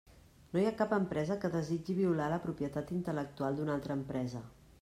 No hi ha cap empresa que desitgi violar la propietat intel·lectual d'una altra empresa.